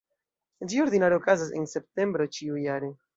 Ĝi ordinare okazas en septembro ĉiujare.